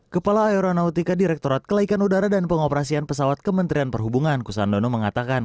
kepala aeronautika direktorat kelaikan udara dan pengoperasian pesawat kementerian perhubungan kusandono mengatakan